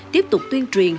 tiếp tục tuyên truyền